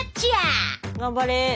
頑張れ。